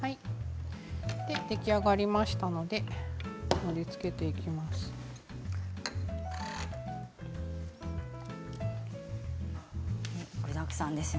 出来上がりましたので盛りつけていきます。